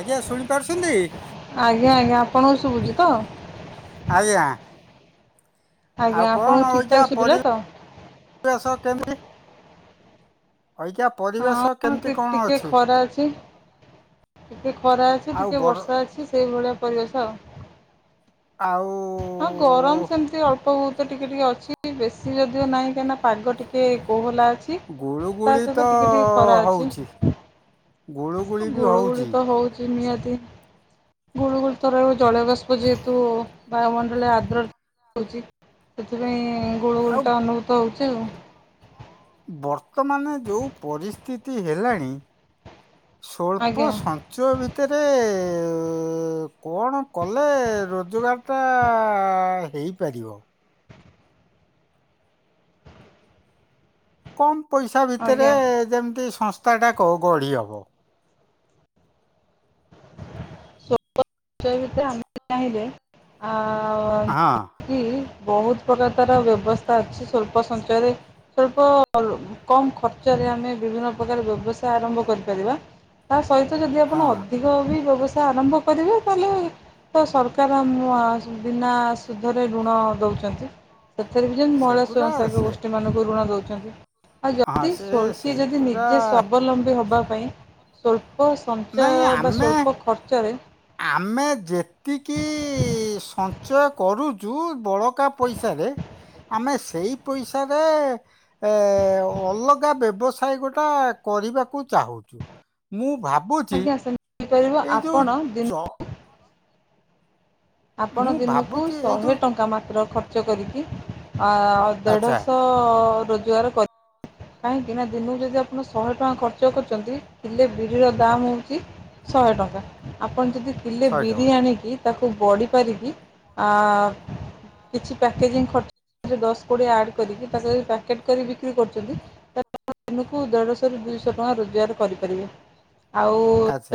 ଆଜ୍ଞା ଶୁଣି ପାରୁଛନ୍ତି? ଆପଣକୁ ଶୁଭୁଚି ତ? ଆଜ୍ଞା। ଆଉ ଆଜ୍ଞା କଣ ଆପଣଙ୍କୁ ଠିକ୍ ହୋଉଚି ଠାକ୍ ଆଉ ଶୁଭିଲା ପରି ତ ବେଶ କେମିତି ଅଇକା ପରିବେଶ ହଁ କେମିତି କଣ ଟି-ଟିକେ ଅଛି? ଖରା ଅଛି। ଟିକେ ଖରା ଅଛି ଆଉ ଟିକେ ବର ବର୍ଷା ଅଛି ସେଇଭଳିଆ ପରିବେସ ଆଉ। ଆଉ ହଁ ଗରମ ସେମିତି ଅଳ୍ପ ବୋହୁତ ଟିକେ ଟିକେ ଅଛି ବେଶୀ ଯଦିଓ ନାହିଁ କାହିଁକି ନା ପାଗ ଟି କେ କୋହଲା ଅଛି ତା ଗୁଳୁଗୁଳି ତ ସହିତ ଟିକେ ଟିକେ ଖରା ଅଛି। ହଉଛି ଗୁଳୁଗୁଳି ବି ଗୁଳୁ ଗୁଳି ହଉଛି ତ ହୋଉଚି ନିହାତି ଗୁଳୁ ଗୁଳ ଥର ଜଳବାଷ୍ପ ଯେହେତୁ ବାୟୁମଣ୍ଡଳରେ ଆଦ୍ର ହେଉଚି ସେଥିପାଇଁ ଗୁଳି ଆଉ ଗୁଳିଟା ଅନୁଭୂତ ହେଉ ତୁ ବର୍ତ୍ତମାନ ଯେଉଁ ପରିସ୍ଥିତି ହେଲାଣି। ସ୍ୱଳ୍ପ ଆଜ୍ଞା ସଞ୍ଚୟ ଭିତରେ କଣ କଲେ ରୋଜଗାର ଟା ହେଇପାରିବ। କମ ପଇସା ଭିତରେ ଆଜ୍ଞା ଯେମିତି ସଂସ୍ଥାଟା କ ଗଢ଼ି ହବ। ସେଇ ଭିତରେ ଆମେ ବି ଚାହିଁଲେ ଆ ହଁ। [unintelligible] ବୋହୁତ ପ୍ରକାର ତାର ବ୍ୟବସ୍ଥା ଅଛି ସ୍ୱଳ୍ପ ସଞ୍ଚୟରେ ସ୍ବଳ୍ପ କମ୍ ଖର୍ଚ୍ଚରେ ଆମେ ବିଭିନ୍ନ ପ୍ରକାର ବ୍ୟବସାୟ ଆରମ୍ଭ କରିପାରିବା। ତା ସହିତ ଯଦି ଆପଣ ହଁ ଅଧିକ ବି ବ୍ୟବସାୟ ଆରମ୍ଭ କରିବେ ତାହଲେ ତ ସରକାର ଆମ ବିନା ସୁଧରେ ଋଣ ଦେଉଚନ୍ତି। ସେଥିରେ ବି ଯେଉଁ ମହିଳା ସେଗୁରା ସ୍ୱୟଂସହାକ ସେ ଗୋଷ୍ଠୀମାନଙ୍କୁ ଋଣ ଦେଉଚନ୍ତି। ଆଉ ହଁ ଯଦି ସେ ସ୍ୱଳ୍କୀ ଯଦି ସେଗୁରା ନିଜେ ସ୍ୱାବଲମ୍ବୀ ହବା ପାଇଁ ସ୍ୱଳ୍ପ ସଞ୍ଚୟ ନାଇଁ ବା ଆମେ ସ୍ୱଳ୍ପ ଖର୍ଚ୍ଚରେ ଆମେ ଯେତିକି ସଞ୍ଚୟ କରୁଚୁ ବଳକା ପଇସାରେ ଆମେ ସେଇ ପଇସାରେ ଏ ଅଲଗା ବ୍ୟବସାୟ ଗୋଟା କରିବାକୁ ଚାହୁଁଚୁ ମୁଁ ଭାବୁଚି [unintelligible] ଆପଣ ଦିନୁ କୁ ଆପଣ ମୁଁ ଦିନକୁ ଭାବୁଛି ଏଇ ଯୋଉ ଶହେ ଟଙ୍କା ମାତ୍ର ଖର୍ଚ୍ଚ କରିକି। ଆଉ ଆଚ୍ଛା। ଦେଢ଼ଶହ ରୋଜଗାର କରି କାହିଁକି ନା ଦିନକୁ ଯଦି ଆପଣ ଶହେ ଟଙ୍କା ଖର୍ଚ୍ଚ କରୁଚନ୍ତି କିଲେ ବିରିର ଦାମ୍ ହୋଉଚି ଶହେ ଟଙ୍କା ଆପଣ ଯଦି କିଲେ ଶହେ ବିରି ଟଙ୍କା ଆଣୀକି ତାକୁ ବଢ଼ିପାରିକି ଆଂ କିଛି ପ୍ୟାକେଜିଂ ଖର୍ଚ୍ଚ ଦଶ କୋଡ଼ିଏ ଆଡ଼ କରିକି ତା ପ୍ୟାକେଟ୍ କରି ବିକ୍ରି କରୁଚନ୍ତି। [inaudible] ଦିନକୁ ଦେଢ଼ଶହ ରୁ ଦୁଇଶହ ଟଙ୍କା ରୋଜଗାର କରିପାରିବେ। ଆଉ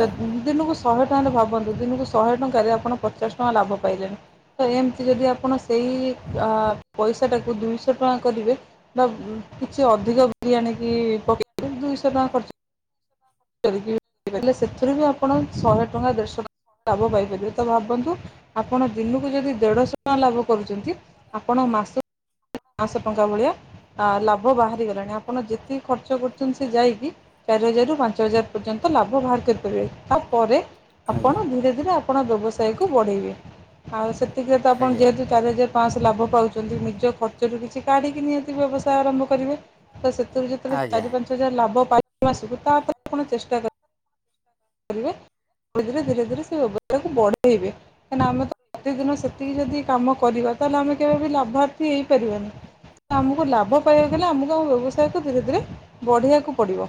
ଯ ଦିନକୁ ଶହେ ଟଙ୍କାରେ ଭାବନ୍ତୁ ଦିନକୁ ଶହେ ଟଙ୍କାରେ ଆପଣ ପଚାଶ ଟଙ୍କା ଲାଭ ପାଇଲେଣି ତ ଏମିତି ଯଦି ଆପଣ ସେ ଇ ପଇଷାଟାକୁ ଦୁଇଶହ ଟଙ୍କା କରିବେ ବା କିଛି ଅଧିକ ଆଣିକି [inaudible] ଦୁଇଶହ ଟଙ୍କା ଖ [inaudible] ସେଥିରୁ ବି ଆପଣ ଶହେ ଟଙ୍କା ଦେଢଶହ ଟଙ୍କା ଲାଭ ପାଇପାରିବେ ତ ଭାବନ୍ତୁ ଆପଣ ଦିନକୁ ଯଦି ଦେଢ଼ଶହ ଟଙ୍କା ଲାଭ କରୁଚନ୍ତି ଆପଣ ମାସ [inaudible] ନ‌ଅଶହ ଟଙ୍କା ଭଳିଆ ଆଉ ଲାଭ ବାହାରି ଆପଣ ଯେତିକି ଖର୍ଚ୍ଚ କରୁଚନ୍ତି ସେ ଯାଇକି ଚାରି ହଜାରରୁ ପାଞ୍ଚ ହଜାର ପର୍ଯ୍ୟନ୍ତ ଲାଭ ବାହାର କରିପାରିବେ। ତାପରେ ଆପଣ ଆଜ୍ଞା ଧୀରେ ଧୀରେ ଆପଣ ବ୍ୟବସାୟକୁ ବଢ଼େଇବେ ଆଉ ସେତିକିରେ ତ ଆପଣ ଆଜ୍ଞା। ଯେହେତୁ ଚାରି ହଜାର ପାଞ୍ଚଶହ ଲାଭ ପାଉଚନ୍ତି ନିଜ ଖର୍ଚ୍ଚ ଯଦି କିଛି କାଢିକି ନିହାତି ବ୍ୟବସାୟ ଆରମ୍ଭ କରିବେ ତ ସେଥିରୁ ଯେତେବେଳେ ଆଜ୍ଞା ଚାରି ପାଞ୍ଚ ଆଜ୍ଞା। ହଜାର ଲାଭ ପାଇ ମାସକୁ ତାପରେ ଆପଣ ଚେଷ୍ଟା କରି କରିବେ। ଧୀରେ ଧୀରେ ଧୀରେ ଧୀରେ ସେ ବ୍ୟବସାୟକୁ ବଢେଇବେ କାହିଁକି ନା ଆମେ ତ ପ୍ରତିଦିନ ସେତିକି ଯଦି କାମ କରିବା ତାହେଲେ ଆମେ କେବେବି ଲାଭାର୍ଥୀ ହେଇପାରିବାନି। ଆମକୁ ଲାଭ ପାଇବାକୁ ଗଲେ ଆମକୁ ଆମ ବ୍ୟବସାୟକୁ ଧୀରେ ଧୀରେ ବଢ଼ିବାକୁ ପଡ଼ିବ।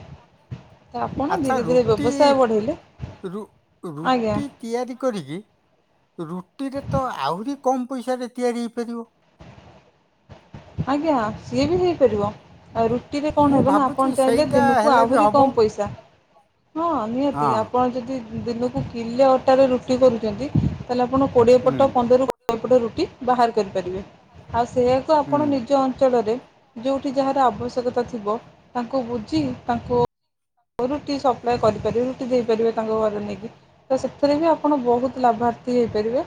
ଆପଣ, ଆଚ୍ଛା ଧୀରେ ଧୀରେ ରୁଟି ବ୍ୟବସାୟ ବଢ଼େଇଲେ ରୁ ଆଜ୍ଞା ରୁଟି ତିଆରି କରିକି ରୁଟିରେ ତ ଆହୁରି କମ୍ ପଇସାରେ ତିଆରି ହେଇପାରିବ। ଆଜ୍ଞା, ସିଏ ବି ହେଇପାରିବ। ଆଉ ରୁଟିରେ କଣ ମୁଁ ହେବ ନା ଭାବୁଛି ଆପଣ ଚାହିଁଲେ ସେଇଟା ଦିନକୁ ହେଲେ ବି ଆହୁରି ହବ। କମ ପଇସା ହଁ, ନିହାତି ହଁ। ଆପଣ ଯଦି ଦିନକୁ କିଲେ ଅଟାରେ ରୁଟି କରୁଛନ୍ତି, ତାହେଲେ ଆପଣ କୋଡ଼ିଏ ହୁଁ ପଟ ପନ୍ଦର ରୁ ପଟ ରୁଟି ବାହାର କରିପାରିବେ। ଆଉ ସେଆକୁ ହୁଁ ଆପଣ ନିଜ ଅଞ୍ଚଳରେ ଯୋଉଠି ଯାହାର ଆବଶ୍ୟକତା ଥିବ, ତାଙ୍କୁ ବୁଝି ତାଙ୍କୁ ରୁଟି ସପ୍ଲାଏ କରିପାରିବେ। ରୁଟି ଦେଇପାରିବେ ତାଙ୍କ ଘରେ ନେଇକି ତ ସେଥିରେ ବି ଆପଣ ବହୁତ ଲାଭ ତି ହେଇପାରିବେ।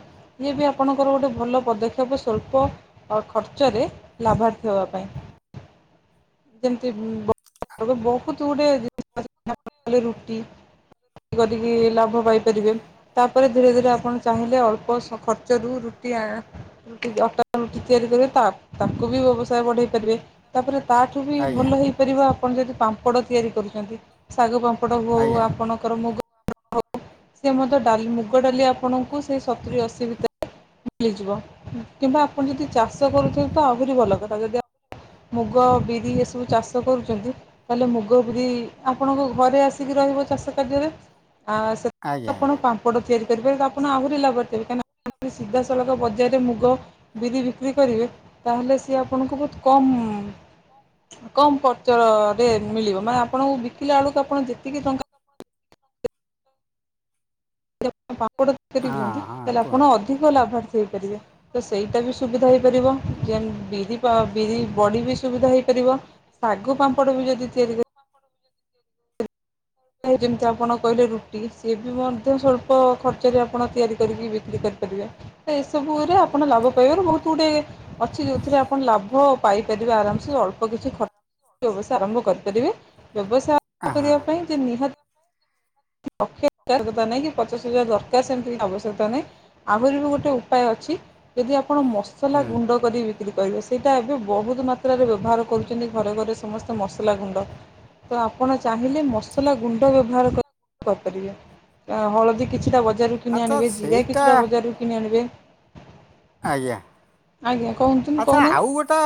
ଇଏବି ଆପଣଙ୍କର ଗୋଟ ଭଲ ପଦକ୍ଷେପ ସ୍ୱଳ୍ପ ଖର୍ଚ୍ଚରେ ଲାଭାର୍ଥି ହବା ପାଇଁ ହଁ ହଁ ଯେମତି ବହୁତ ଗୁଡେ ଜି [inaudible] ରୁଟି ରୁଟି କରିକିଲାଭ ପାଇପାରିବେ। ତାପରେ ଧୀରେ ଧୀରେ ଆପଣ ଚାହିଁଲେ ଅଳ୍ପ ଖର୍ଚ୍ଚରୁ ରୁ ରୁଟି-ଆ-ଆ କି ଅଟା ଆମେ ତିଆରି କରିବା, ତାକୁ ବି ବ୍ୟବସାୟ ବଢେଇ ପାରିବେ, ତାପରେ ତାଠୁ ବି ଆଜ୍ଞା ଭଲ ହେଇପାରି ଆପଣ ଯଦି ପାମ୍ପଡ଼ ତିଆରି କରୁଛନ୍ତି, ଶାଗୁ ପାମ୍ପଡ଼ ହଉ, ଆଜ୍ଞା ଆପଣଙ୍କର ମୁଗ ଆଉ ସେ ମଧ୍ୟ ଡାଲି ମୁଗ ଡାଲି ଆପଣଙ୍କୁ ସେଇ ସତୁରି ଅଶୀ ଭିତରେ ମିଳିଯିବ। କିମ୍ବା ଆପଣ ଯଦି ଚାଷ କରୁଥିବେ ତ ଆହୁରି ଭଲ କଥା, ଯଦି ମୁଗ, ବିରି ଏସବୁ ଚାଷ କରୁଚନ୍ତି। ତାହେଲେ ମୁଗ, ବିରି ଆପଣଙ୍କ ଘରେ ଆସିକି ରହିବ ଚାଷ କାର୍ଯ୍ୟରେ, ଆ ସେ ଆଜ୍ଞା ଆପଣ ଆଜ୍ଞା। ପାମ୍ପଡ଼ ତିଆରି ତେବେ ତ ଆପଣ ଆହୁରି ଲାଭରେ ଥିବେ। କାଇଁକିନା ସିଧାସଳଖ ବଜାରରେ ମୁଗ ବିରି ବିକ୍ରି କରିବେ, ତାହେଲେ ସିଏ ଆପଣଙ୍କୁ ବହୁତ କମ୍-ଅ କମ୍ ଖର୍ଚ୍ଚରରେ ମିଳିବ ମାନେ ଆପ୍ ଆପଣଙ୍କୁ ବିକିଲା ଆଳକୁ ଆପଣ, ଯେତିକି ଟଙ୍କା ଯଦି ଆପଣ ପାପଡ଼ [inaudible] ହଁ ହଁ ତାହେଲେ ଆପଣ କୁହନ୍ତୁ ଅଧିକ ଲାଭାର୍ଥୀ ହେଇପାରିବେ। ତ ସେଇଟା ବି ସୁବିଧା ହେଇପାରିବ ଯେନ୍ ବିରି ପା ବିରି ବଡି ବି ସୁବିଧା ହେଇପାରି ବ। ଶାଗୁ ପାମ୍ପଡ଼ ବି ଯଦି ତିଆରି କରି ଯେମିତି ଆପଣ କହିଲେ ରୁଟି, ସିଏ ବି ମଧ୍ୟ ସ୍ଵଳ୍ପ ଖର୍ଚ୍ଚରେ ଆପଣ ତିଆରି କରିକି ବିକ୍ରି କରି କରିବା। ତ ଏସବୁ ରେ ଆପଣ ଲାଭ ପାଇବାରୁ ବହୁତ ଗୁଡେ ଅଛି, ଯେଉଁଥିରେ ଆପଣ ଲାଭ ପାଇପାରିବେ ଆରାମସେ। ଅଳ୍ପ କିଛି ଖର୍ଚ୍ଚ ବ୍ୟବସାୟ ଆରମ୍ଭ କରିପାରିବେ। ବ୍ୟବସାୟ କରିବା ହଁ। ପାଇଁ ଯେ ନିହାତି ଲକ୍ଷେ ତା ନାହିଁ କି ପଚାଶ ହଜାର ଦରକାର ସେମିତି କିଛି ଆବଶ୍ୟକତା ନାହିଁ। ଆହୁରି ବି ଗୋଟେ ଉପାୟ ଅଛି, ଯଦି ଯଦି ଆପଣ ମସଲା ହୁଁ। ଗୁଣ୍ଡ କରି ବିକ୍ରି କରିବେ, ସେଇଟା ଏବେ ବହୁତ ମାତ୍ରାରେ ବ୍ୟବହାର କରୁଛନ୍ତି, ଘରେ ଘରେ ସମ ସମସ୍ତେ ମସଲା ଗୁଣ୍ଡ ତ ଆପଣ ଚାହିଁଲେ, ମସଲା ଗୁଣ୍ଡ ବ୍ୟବହାର କରି କରିପାରିବେ। ହଳଦୀ କିଛିଟା ବଜାରରୁ କିଣି ଆଚ୍ଛା ଆଣିବେ, ଜିରା ସେଇଟା କିଛିଟା ବଜାରରୁ କିଣି ଆଣିବେ। ଆଜ୍ଞା। ଆଜ୍ଞା କହୁନ୍ତୁ ଆଚ୍ଛା କହୁନାହାନ୍ତି ଆଉ ଗୋଟା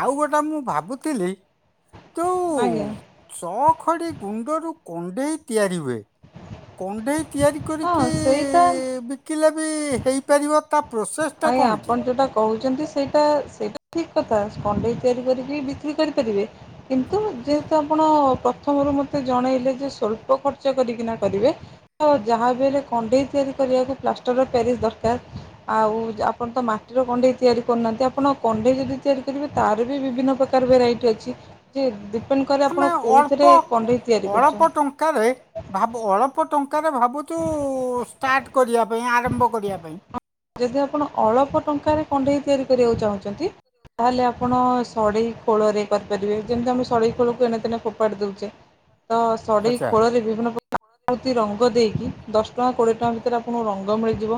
ଆଉ ଗୋଟା ମୁଁ ଭାବୁଥିଲି ଯୋଉ ଆଜ୍ଞା ଚଖଡି ଗୁଣ୍ଡରୁ କଣ୍ଡେଇ ତିଆରି ହୁଏ। କଣ୍ଢେଇ ତିଆରି ହଁ ସେଇଟା କରିକି-ଇ-ଇ-ବିକିଲେ ବି ହେଇପାରିବ ତା ପ୍ରୋସେସଟା ଆୟାଁ କ'ଣ କି ଆପଣ ଯୋଉଟା କହୁ ଯେମିତି ସେଇଟା ସେଇଟା ସେଇଟା ଠିକ୍ କଥା କଣ୍ଢେଇ ତିଆରି କରିକି ବିକ୍ରି କରିପାରିବେ କିନ୍ତୁ ତ ଆପଣ ପ୍ରଥମରୁ ମତେ ଜଣେଇଲେ ଯେ, ସ୍ଵଳ୍ପ ଖର୍ଚ୍ଚ କରିକିନା କରିବେ। ଆଉ ଯାହାବି ଲେ କଣ୍ଢେଇ ତିଆରି କରିବାକୁ ପ୍ଲାଷ୍ଟର ପ୍ୟାରିସ୍ ଦରକାର ଆଉ ଯେ ଆପଣ ତ ମାଟିର କଣ୍ଢେଇ ତିଆରି ହା ଆପଣ କଣ୍ଢେଇ ଯଦି ତିଆରି କରିବେ ତାର ବି ବିଭିନ୍ନ ପ୍ରକାରର ଭେରାଇଟ୍ ଅଛି ଯେ ଡିପେ ଆମେ ଅଳ୍ପ ଅଳ୍ପ ଟଙ୍କାରେ ଭାବୁ, ଅଳ୍ପ ଟଙ୍କାରେ ଭାବୁ ବୋହୁତୁ ଷ୍ଟାର୍ଟ କରିବା ପାଇଁ ଆରମ୍ଭ କରିବା ପାଇଁ। ଯଦି ଆପଣ ଅଳପ ଟଙ୍କାରେ କଣ୍ଢେଇ ତିଆରି କରିବାକୁ ଚାହୁଁଚନ୍ତି ତାହେଲେ ଆପଣ ସଢେଇ ଖୋଳରେ କରିପାରିବେ ଯେମିତି ଆମେ ସଢେଇ ଖୋଳକୁ ଏଣେ ତେଣେ ଫୋପାଡ଼ି ଦୋଉଚେ। ତ ସଢେଇ ଆଚ୍ଛା ଖୋଳରେ ବିଭିନ୍ନ ପ୍ର କି ରଙ୍ଗ ଦେଇକି ଦଶ ଟଙ୍କା କୋଡ଼ିଏ ଟଙ୍କା ଭିତରେ ଆପଣଙ୍କୁ ରଙ୍ଗ ମିଳିଯିବ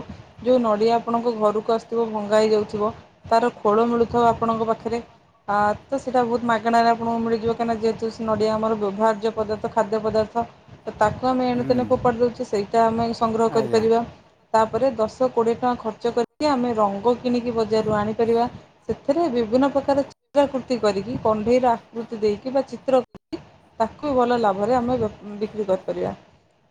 ଯୋଉ ନ ନଡ଼ିଆ ଆପଣଙ୍କ ଘରକୁ ଆସଥିବ ଭଙ୍ଗା ହେଇଯାଉଥୁବ ତାର ଖୋଳ ମିଳୁଥିବ ଆପଣଙ୍କ ପାଖରେ ଆ ତ ସେଇଟା ବୋହୁତ ମାଗଣାରେ ଆପଣଙ୍କୁ ମିଳିଯିବ କାହିଁକିନା ଯେହେତୁ ସେ ନଡ଼ିଆ ଆମର ବ୍ୟବହାରାର୍ଯ୍ୟ ପଦାର୍ଥ ଖାଦ୍ୟ ପଦାର୍ଥ। ତ ତାକୁ ଆମେ ଏଣୁ ହୁଁ ତେଣେ ଫୋପାଡ଼ି ଦୋଉଚେ ସେଇଟା ଆମେ ସଂଗ୍ରହ ଆଜ୍ଞା କରିପାରିବା ତାପରେ ଦଶ କୋଡିଏ ଟଙ୍କା ଖର୍ଚ୍ଚ କରିକି ଆମେ ରଙ୍ଗ କିଣିକି ବଜାରରୁ ଆଣିପାରିବା ସେଥିରେ ବିଭିନ୍ନ ପ୍ରକାର [inaudible] ତି କରିକି କଣ୍ଢେଇର ଆକୃତି ଦେଇକି ବା ଚିତ୍ର ତାକୁ ଭଲ ଲାଭରେ ଆମେ ବ-ବିକ୍ରି କରିପାରିବା।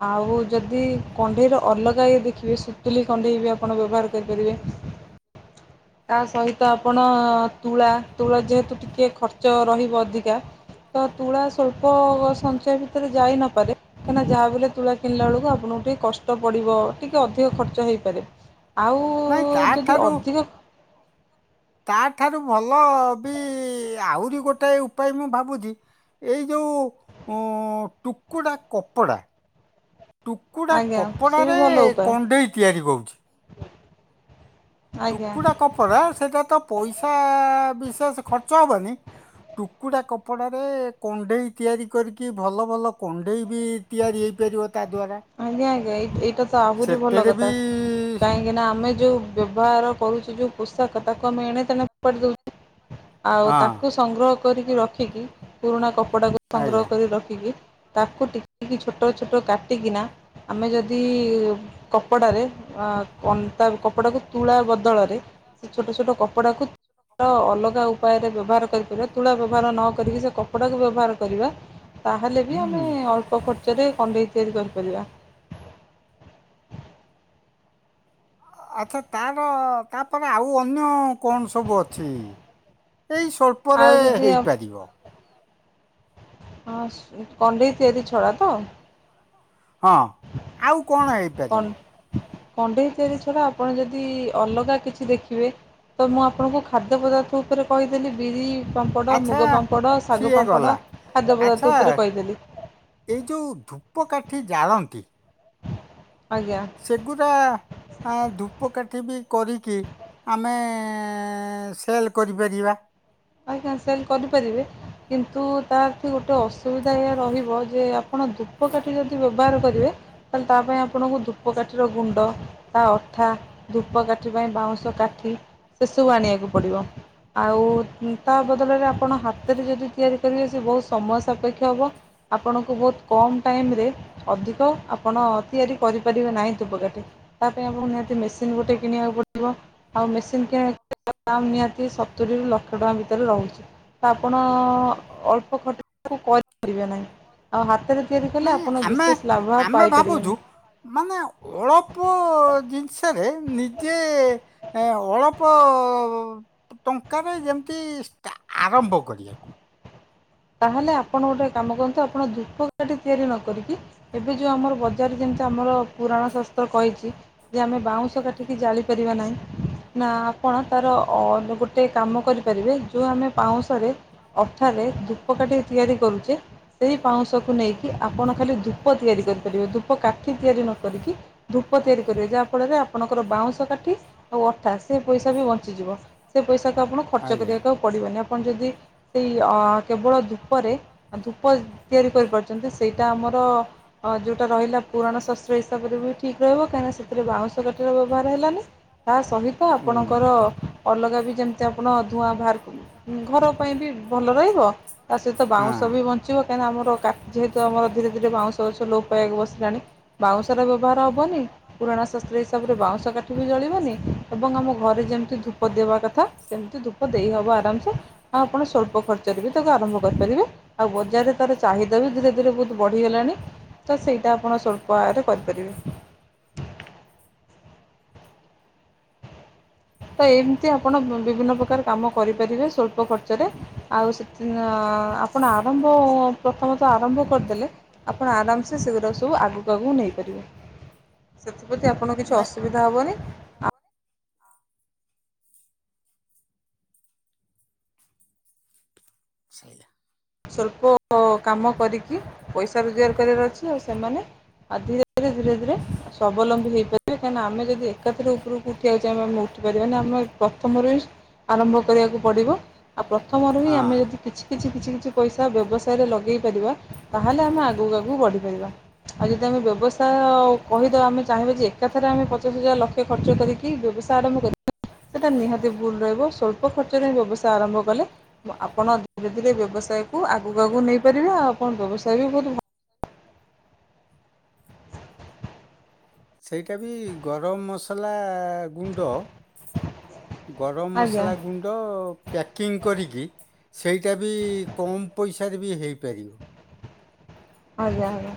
ଆଉ ଯଦି କଣ୍ଢେଇର ଅଲଗା ଇଏ ଦେଖିବେ ସୁତୁଲି କଣ୍ଢେଇ ବି ଆପଣ ବ୍ୟବହାର କରିପାରିବେ। ତା ସହିତ ଆପଣ ତୁଳା, ତୁଳା ଯେହେତୁ ଟିକେ ଖର୍ଚ୍ଚ ର ରହିବ ଅଧିକା ତ ତୁଳା ସ୍ୱଳ୍ପ ସଞ୍ଚୟ ଭିତରେ ଯାଇନପାରେ କାହିଁକିନା ଯାହା ବି ହେଲେ ତୁଳା କିଣିଲା ବେଳକୁ ଆପଣଙ୍କୁ ଟିକେ କଷ୍ଟ ପଡ଼ିବ, ଟିକେ ଅଧିକ ଖର୍ଚ୍ଚ ହେଇପାରେ। ଆଉ ନାଇଁ ଯଦି ତାଠାରୁ ଅଧିକ ତା ଠାରୁ ଭଲ ବି ଆହୁରି ଗୋଟେ ଉପାୟ ମୁଁ ଭାବୁଛି ଏଇ ଯୋଉ ଉଁ-ଟୁକୁଡ଼ା କପଡ଼ା ଟୁକୁଡା ଆଜ୍ଞା ସେ ବି କପଡାରେ ଭଲ ଉପାୟ କଣ୍ଢେଇ ତିଆରି କୋଉଚି। ଆଜ୍ଞା ଟୁକୁଡ଼ା କପଡ଼ା ସେଟା ତ ପଇସା ବିଶେଷ ଖର୍ଚ୍ଚ ହବନି। ଟୁକୁଡ଼ା କପଡ଼ାରେ କଣ୍ଢେଇ ତିଆରି କରିକି ଭଲ ଭଲ କଣ୍ଢେଇ ବି ତିଆରି ହେଇପାରିବ। ତା ଦ୍ୱାରା ଆଜ୍ଞା ଆଜ୍ଞା ଏଇ-ଏଇଟା ତ ଆହୁରି ଭଲ ସେଥିରେ କଥା, ବି କାହିଁକିନା ଆମେ ଯୋଉ ବ୍ୟବହାର କରୁଚେ ଯୋଉ ପୋଷାକ ତାକୁ ଆମେ ଏଣେ ତେଣେ ଫୋପାଡି ଦୋଉଚେ ଆଉ ହଁ ତାକୁ ସଂଗ୍ରହ କରିକି ରଖିକି ପୁରୁଣା କପଡ଼ାକୁ ସଂଗ୍ରହ ଆଜ୍ଞା କରି ରଖିକି ତାକୁ ଟିକିଟିକି ଛୋଟଛୋଟ କାଟିକିନା, ଆମେ ଯଦି କପଡ଼ାରେ ତା କନ୍-ତା କପଡ଼ାକୁ ତୁଳା ବଦଳରେ ସେ ଛୋଟ ଛୋଟ କପଡ଼ାକୁ ତ ଅଲ ଗା ଉପାୟରେ ବ୍ୟବହାର କରିପାରିବା ତୁଳା ବ୍ୟବହାର ନ କରିକି ସେ କପଡ଼ାକୁ ବ୍ୟବହାର କରିବା ତାହେଲେ ବି ଆମେ ହୁଁ ଅଳ୍ପ ଖର୍ ଚରେ ଖଣ୍ଡେଇ ତିଆରି କରିପାରିବା। ଆଚ୍ଛା ତାର ତାପରେ ଆଉ ଅନ୍ୟ କଣ ସବୁ ଅଛି? ଏଇ ସ୍ୱଳ୍ପରେ ଆଉ ଯଦି ହେଇପାରିବ। ହଁ ସ୍ୱ-କଣ୍ଢେଇ ତିଆରି ଛଡା ତ? ହଁ ଆଉ କଣ ହେଇପାରିବ? କଣ୍ଢେଇ ତିଆରି ଛଡ଼ା ଆପଣ ଯଦି ଅଲଗା କିଛି ଦେଖିବେ ତ ମୁଁ ଆପଣଙ୍କୁ ଖାଦ୍ୟ ପଦାର୍ଥ ଉପରେ କହିଦେଲି ବିରି ପାମ୍ପଡ, ଆଚ୍ଛା ମୁଗ ପାମ୍ପଡ, ଶାଗ ସିଏ ପାମ୍ପଡ ଗଲା ଖାଦ୍ୟ ଆଚ୍ଛା ପଦାର୍ଥ ଉପରେ କହିଦେଲି। ଏଇ ଯୋଉ ଧୂପକାଠି ଜାଳନ୍ତି ଆଜ୍ଞା ସେଗୁଡ଼ା ଆଁ-ଧୂପକାଠି ବି କରିକି ଆମେ ଏଁ-ସେଲ୍ କରିପାରିବା। ଆଜ୍ଞା ସେଲ୍ କରିପାରିବେ, କିନ୍ତୁ ତାଆଠି ଗୋଟେ ଅସୁବିଧା ଏଇଆ ରହିବ ଯେ ଆ ଆପଣ ଧୂପକାଠି ଯଦି ବ୍ୟବହାର କରିବେ ତା ପାଇଁ ଆପଣଙ୍କୁ ଧୂପ କାଠିର ଗୁଣ୍ଡ, ତା ଅଠା, ଧୂପ କାଠି ପାଇଁ ବା ବାଉଁଶ କାଠି ସେସବୁ ଆଣିବାକୁ ପଡ଼ିବ, ଆଉ ଉଁ-ତା ବଦଳରେ ଆପଣ ହାତରେ ଯଦି ତିଆରି କରିବେ ସେ ବୋହୁତ ସମସ୍ ସାପେକ୍ଷ ହବ ଆପଣଙ୍କୁ ବୋହୁତ କମ୍ ଟାଇମରେ ଅଧିକ ଆପଣ ତିଆରି କରିପାରି ନାହିଁ ଧୂପକାଠି ତା ପାଇଁ ଆପଣଙ୍କୁ ନିହାତି ମେସିନ ଗୋଟେ କିଣିବାକୁ ପଡିବ ଆଉ ମେସିନ୍ କିଣ ତା ନିହାତି ସତୁରିରୁ ଲକ୍ଷ ଟଙ୍କା ଭିତରେ ରହୁଚି ତ ଆପଣ ଅଳ୍ପ ଖର୍ଚ୍ଚକୁ କରିପାରିବେ ନାହିଁ ଆଉ ହାତରେ ତିଆରି କଲେ ନାଇଁ ଆପଣ ଆମେ ବିଶେଷ ଲାଭ ଆମେ ଭାବୁଛୁ ପାଇପାରିବେନି। ମାନେ ଅଳପ ଜିନଷରେ ନିଜେ ଅଳ୍ପ ଟଙ୍କାରେ, ଯେମିତି ଆରମ୍ଭ କରିବାକୁ। ତାହେଲେ ଆପଣ ଗୋଟେ କାମ କରନ୍ତୁ ।ଆପଣ ଧୂପକାଡି ତିଆରି ନ କରିକି ।ଏବେ ଯୋଉ ଆମର ବଜାର ଯେମତି ଆମର ପୁରାଣ ଶାସ୍ତ୍ର କହିଛି। ଯେ ଆମେ ବାଉଁଶ କାଠିକି ଜାଳିପାରିବା ନାହିଁ ନା ଆପଣ ତାର ଗୋଟେ କାମ କରିପାରିବେ ।ଯେଉ ଆମେ ପାଉଁଶରେ ଅଠାରେ ଧୂପ କାଟିକି ତିଆରି କରୁଛେ। ସେଇ ପାଉଁଶକୁୁ ନେଇକି ଆପଣ ଖାଲି ଧୂପ ତିଆରି କରିପାରିବେ ।ଧୂପା ଠି ତିଆରି ନ କରିକି, ଧୂପ ତିଆରି କରିବେ। ଯାହା ଫଳରେ ଆପଣଙ୍କର, ବାଉଁଶ କାଠି ଆଉ ଅଠା ସେ ପସା ବଞ୍ଚିଯିବ। ସେ ପଇସା କୁ ଆଉ ଖର୍ଚ୍ଚ ଆଜ୍ଞା କରିବାକୁ ପଡ଼ିବନି। ଆପଣ ଯଦି ସେଇ ଅଁ କେବଳ ଧୂପରେ, ଧୂପ ତିଆରି କରିପାରୁଛନ୍ତି ।ସେଇଟା ଆମର ଯେଉଁଟା ରହିଲା ପୁରାଣ ଶସ୍ତ୍ର ହିସାବରେ ବି ଠିକ୍ ରହିବ। କାହିଁକିନା ସେଥିରେ ବାଉଁଶ କାଠିର ବ୍ୟବହାର ହେଲାନି। ତା ସହିତ ଉଁ, ଆପଣଙ୍କର ଅଲଗା ବି, ଯେମିତି ଆପଣ ଧୂଆଁ ବାହାରକୁ ଘର ପାଇଁ ବି ଭଲ ରହିଵ ତା ସହିତ ବାଉଁଶ ବି ହଁ ବଞ୍ଚିବ। କାହିଁକିନା ଆମର ଯେହେତ, ଆମ ଧୀରେ ଧୀରେ ବାଉଁଶ ଗଛ ଲୋ ପାଇବାକୁ ବସିଲାଣି ବାଉଁଶର ବ୍ୟବହାର ହବନି ପୁରାଣା ଶାସ୍ତ୍ର ହିସାବରେ ବାଉଁଶ କାଠି ବି ଜଳିବନି ଏବଂମ ଆମେ ଘରେ ଯେମିତି ଧୂପ ଦେବା କଥା ସେମିତି ଧୂପ ଦେଇ ହବ ଆରାମ ସେ ଆଉ ଆପଣ ସ୍ୱଳ୍ପ ଖର୍ଚ୍ଚରେ ବି ତାକୁ ଆରମ୍ଭ କରିପାରିବେ ଆଉ ବଜାରରେ ତରେ ଚାହିଦାବି ଧୀରେଧୀରେ ବଢି ଗଲାଣି ତ ସେଇଟା ଆପଣସହ ସ୍ୱଳ୍ପ ଏହାର କରିପାରିବେ। ତ ଏମିତି ଆପଣ ବି ବିଭିନ୍ନ ପ୍ରକାର କାମ କରିପାରିବେ ସ୍ୱଳ୍ପ ଖର୍ଚ୍ଚରେ ଆଉ ସେ ନାଁ ଆପଣ ଆରମ୍ଭ ପ୍ରଥମତଃ ଆରମ୍ଭ କରିଦେଲେ ଆପଣ ଆରାମସେ ସେଗୁଡାକ ସବୁ ଆଗକୁ ଆଗକୁ ନେଇପାରିବେ ସେଥିପ୍ରତି ଆପଣ କିଛି ନାଇଁ ଅସୁବିଧା ହେବନି ଆ ସଇଲା। ସ୍ୱଳ୍ପ ଓ କାମ କରିକି ପଇସା ରୋଜଗାର କରିବାର ଅଛି ଆଉ ସେମାନେ ଆଉ ଧୀରେ ଧୀରେ ଧୀରେ ଧୀରେ ସଵଲମ୍ବୀ ହେଇପାରିବ କାହିଁନା ଆମେ ଯଦି ଏକାଥର ଉପରକୁ ଉଠିବାକୁ ଚାହିଁବା କ୍ଷତି କରିବନା ଆମର ପ୍ରଥମରୁ ହିଁ ଆରମ୍ଭ କରିବାକୁ ପଡିବ ଆ ପ୍ରଥମରୁ ହିଁ ଆମେ ଯଦି ହଁ କିଛି, କିଛି କିଛି କିଛି ପଇସା ବ୍ୟବସାୟରେ ଲଗେଇ ପାରିବା, ତାହେଲେ ଆମେ ଆଗକୁ ଆଗକୁ ବଢ଼ିପାରିବା ଆଉ ଯଦି ଆମେ ବ୍ୟବସାୟ କହିଦବା ଆମେ ଚାହିଁବା ଯେ ଏକାଥରେ ଆମେ ପଚାଶ ହଜାର ଲକ୍ଷ ଖର୍ଚ୍ଚ କରିକି ବିଭି ବର୍ଷା ଆରମ୍ଭ କରିକି ସେଇଟା ନିହାତି ଭୁଲ ରହିବ ସ୍ୱଳ୍ପ ଖର୍ଚ୍ଚରେ ବ୍ୟବସାୟ, ଆରମ୍ଭ କଲେ ଆପଣ ଧୀରେ ଧୀରେ ବ୍ୟବସାୟ ଆଗକୁ ଆଗକୁ ନେଇପାରିବେ ଆଉ ଆପଣ ବ୍ୟବସାୟ ବି ବହୁତ ଭଲ। ସେଇଟା ବି ଗରମ ମସଲା ଗୁଣ୍ଡ ଗରମ ଆଜ୍ଞା ମସଲା ଗୁଣ୍ଡ ପ୍ୟାକିଂ କରିକି ସେଇଟା ବି କମ ପଇସାରେ ବି ହେଇପାରିବ। ଆଜ୍ଞା ଆଜ୍ଞା।